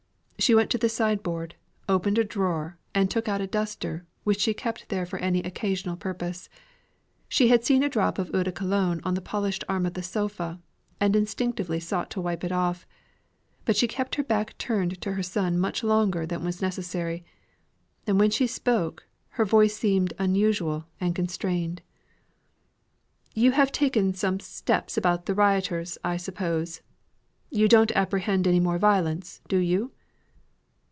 She went to the side board, opened a drawer, and took out a duster, which she kept there for any occasional purpose. She had seen a drop of eau de Cologne on the polished arm of the sofa, and instinctively sought to wipe it off. But she kept her back turned to her son much longer than was necessary; and when she spoke, her voice seemed unusual and constrained. "You have taken some steps about the rioters, I suppose? You don't apprehend anymore violence, do you?